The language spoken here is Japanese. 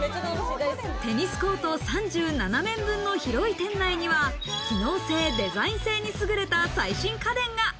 テニスコート３７面分の広い店内には、機能性、デザイン性にすぐれた最新家電が。